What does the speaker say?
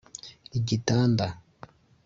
igitanda